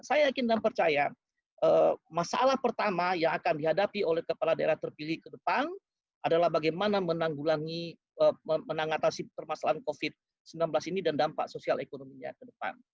saya yakin dan percaya masalah pertama yang akan dihadapi oleh kepala daerah terpilih ke depan adalah bagaimana menatasi permasalahan covid sembilan belas ini dan dampak sosial ekonominya ke depan